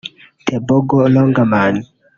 Tebogo Langerman